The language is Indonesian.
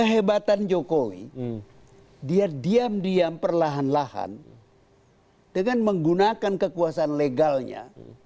kehebatan jokowi dia diam diam perlahan lahan dengan menggunakan kekuasaan legalnya